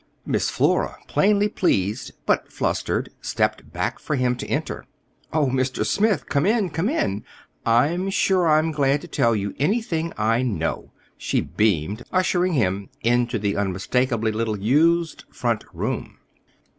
Miss Flora, plainly pleased, but flustered, stepped back for him to enter. "Oh, Mr. Smith, come in, come in! I'm sure I'm glad to tell you anything I know," she beamed, ushering him into the unmistakably little used "front room."